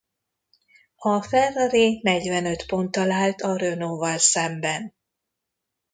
A Ferrari negyvenöt ponttal állt a Renault-val szemben.